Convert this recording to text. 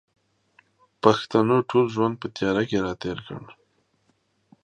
پښتنو ټول ژوند په تیاره کښې را تېر کړ